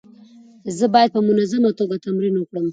زه باید په منظمه توګه تمرین وکړم.